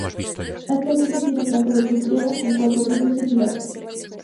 Actualmente tiene planta de cruz griega, con cuatro brazos equiláteros.